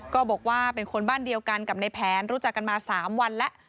ก็บอกว่าเป็นคนบ้านเดียวกันกับในแผนรู้จักกันมา๓วันแล้ว